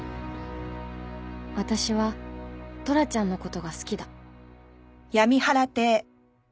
私はトラちゃんの事が好きだ